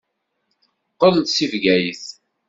Teqqel-d seg Bgayet.